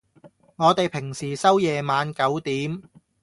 我哋平時收夜晚九點